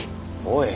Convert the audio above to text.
おい！